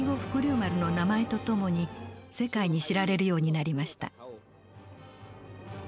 丸の名前と共に世界に知られるようになりました。